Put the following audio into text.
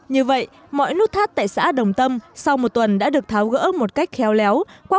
như vậy mọi nút thắt tại xã đồng tâm sau một tuần đã được tháo gỡ một cách khéo léo qua